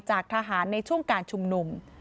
จากทหารในช่วงการชุมนุม